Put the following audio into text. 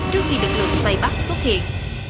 trước khi lực lượng bày bắt xuất hiện